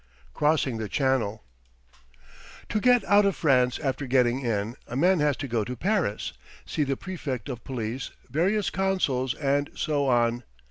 CROSSING THE CHANNEL To get out of France after getting in, a man has to go to Paris, see the prefect of police, various consuls, and so on.